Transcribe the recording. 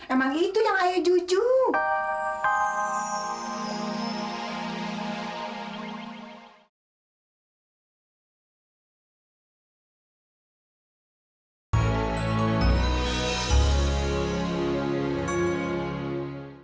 emang itu yang ayah cucu